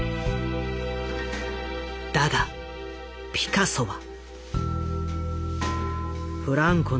だがピカソは。